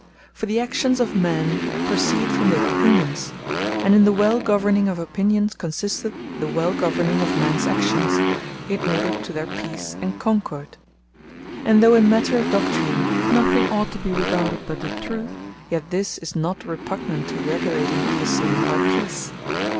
For the Actions of men proceed from their Opinions; and in the wel governing of Opinions, consisteth the well governing of mens Actions, in order to their Peace, and Concord. And though in matter of Doctrine, nothing ought to be regarded but the Truth; yet this is not repugnant to regulating of the same by Peace.